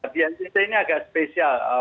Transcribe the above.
di ntt ini agak spesial